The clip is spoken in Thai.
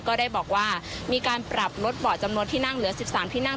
ก็ได้บอกว่ามีการปรับลดเบาะจำนวนที่นั่งเหลือ๑๓ที่นั่ง